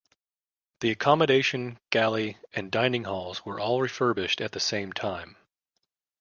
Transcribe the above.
The accommodation, galley and dining halls were all refurbished at the same time.